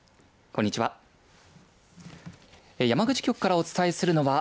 こんにちは。